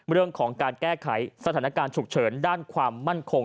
เรื่องของการแก้ไขสถานการณ์ฉุกเฉินด้านความมั่นคง